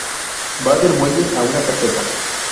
Va del muelle a una caseta.